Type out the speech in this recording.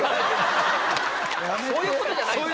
そういうことじゃない。